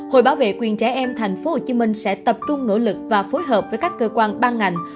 hội bảo vệ quyền trẻ em tp hcm sẽ tập trung nỗ lực và phối hợp với các cơ quan ban ngành